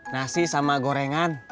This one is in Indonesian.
nasi sama gorengan